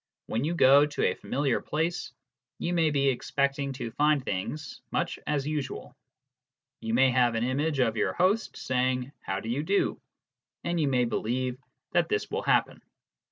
When you go to a familiar place, you may be expecting to find things much as usual : you may have an image of your host saying how do you do, and you may believe that this will happen.